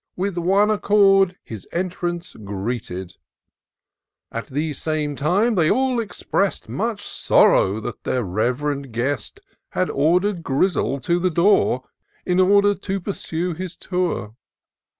With one accord his entrance greeted : At the same time, they all expressed Much sorrow that their rev'rend guest Had order'd Grizzle to the door. In order to pursue his tour.